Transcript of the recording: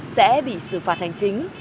sẽ bị xử phạt hành chính